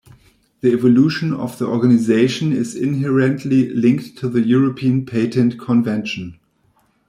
The evolution of the Organisation is inherently linked to the European Patent Convention.